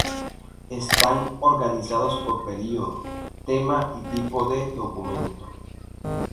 Están organizados por período, tema y tipo de documento.